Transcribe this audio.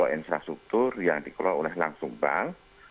infrastruktur yang dikelola oleh langsung bank